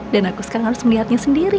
dan aku sekarang harus melihatnya sendiri